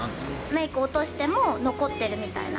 メーク落としても残ってるみたいな。